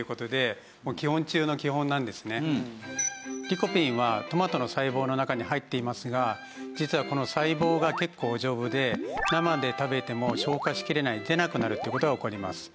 リコピンはトマトの細胞の中に入っていますが実はこの細胞が結構丈夫で生で食べても消化しきれない出なくなるという事が起こります。